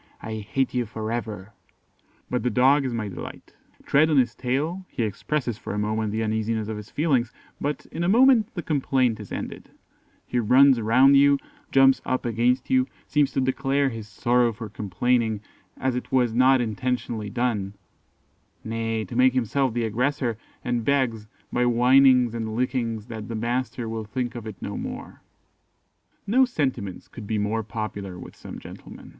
I hate you for ever.' But the Dog is my delight. Tread on his tail, he expresses for a moment the uneasiness of his feelings, but in a moment the complaint is ended: he runs round you, jumps up against you, seems to declare his sorrow for complaining, as it was not intentionally done, nay, to make himself the aggressor, and begs, by whinings and lickings, that the master will think of it no more." No sentiments could be more popular with some gentlemen.